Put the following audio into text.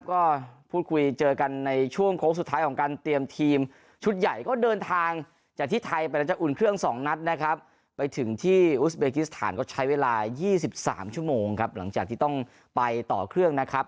ก็พูดคุยเจอกันในช่วงโค้งสุดท้ายของการเตรียมทีมชุดใหญ่ก็เดินทางจากที่ไทยไปกับจัดอุ่นเครื่องสองนัดนะครับ